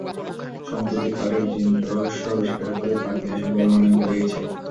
সম্প্রতি পাটের জিনরহস্য আবিষ্কারের ফলে পাট নিয়ে সম্ভাবনা অনেক বেড়ে গেছে।